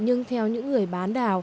nhưng theo những người biết